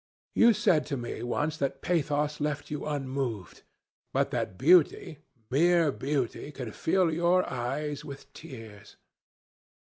You said to me once that pathos left you unmoved, but that beauty, mere beauty, could fill your eyes with tears.